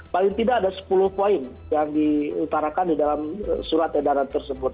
paling tidak ada sepuluh poin yang diutarakan di dalam surat edaran tersebut